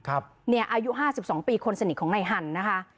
อายุ๕๒ปีคนสนิทของนายหั่นนะคะ